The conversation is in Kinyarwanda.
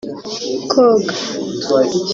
koga